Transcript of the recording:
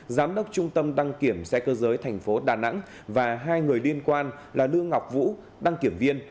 giám đốc trung tâm đăng kiểm xe cơ giới tp đà nẵng và hai người liên quan là lương ngọc vũ đăng kiểm viên